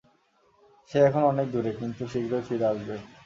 সে এখন অনেক দূরে, কিন্তু, শীঘ্রই ফিরে আসবে।